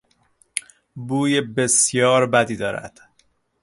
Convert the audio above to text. بوی بسیار بدی دارد!